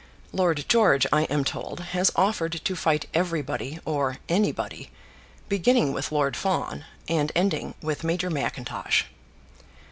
Lord George, I am told, has offered to fight everybody or anybody, beginning with Lord Fawn and ending with Major Mackintosh.